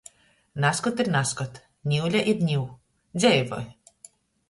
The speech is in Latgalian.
Nazkod ir nazkod. Niule ir niu. Dzeivoj!